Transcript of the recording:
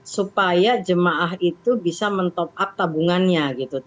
supaya jemaah itu bisa men top up tabungannya